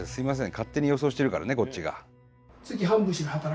勝手に予想してるからねこっちが。